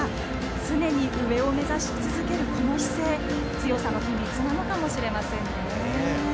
常に上を目指し続けるこの姿勢強さの秘密なのかもしれませんね。